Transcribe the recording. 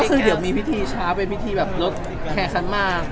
คือยังไม่ได้เชิญแล้ว